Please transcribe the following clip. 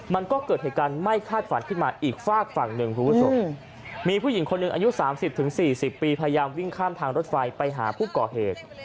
มันก็เกิดเหตุการณ์ไม่คาดฝันขึ้นมาอีกฝากฝั่งหนึ่งคุณผู้ชมมีผู้หญิงคนหนึ่งอายุ๓๐๔๐ปีพยายามวิ่งข้ามทางรถไฟไปหาผู้ก่อเหตุ